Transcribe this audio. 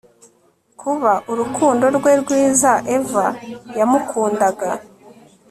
Kuba urukundo rwe rwiza Eva yamukundaga